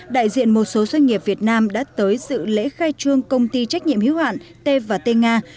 đại diện một số doanh nghiệp việt nam đã tới sự lễ khai trương công ty trách nhiệm hiếu hạn t và t nga